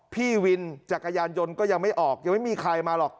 พี่วินจักรยานยนต์ก็ยังไม่ออกยังไม่มีใครมาหรอก